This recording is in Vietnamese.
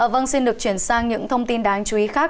vâng xin được chuyển sang những thông tin đáng chú ý khác